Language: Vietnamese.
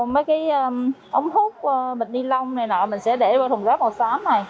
mấy cái ống thúc bịch ni lông này nọ mình sẽ để vô thùng rác màu xám này